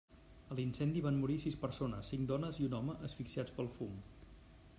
A l'incendi van morir sis persones, cinc dones i un home, asfixiats pel fum.